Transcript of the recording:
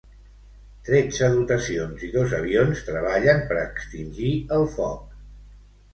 Tretze dotacions i dos avions treballen per extingir el foc.